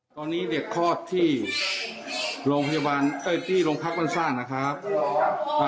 ตอนนี้เด็กคลอดที่โรงพยาบาลเอ้ยที่โรงพักบ้านสร้างนะครับ